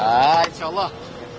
hah insya allah